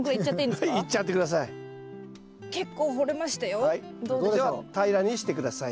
では平らにして下さい。